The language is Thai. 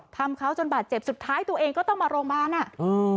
ทำเขาจนบาดเจ็บสุดท้ายตัวเองก็ต้องมาโรงพยาบาลอ่ะเออ